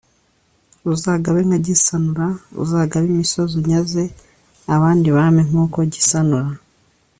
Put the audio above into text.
Uzagabe nka Gisanura: uzagabe imisozi unyaze abandi bami nk’uko Gisanura